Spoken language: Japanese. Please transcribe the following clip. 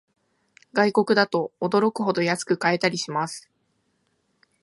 外国だと驚くほど安く買えたりします